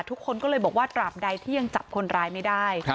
ทุกคนก็เลยบอกว่าตราบใดที่ยังจับคนร้ายไม่ได้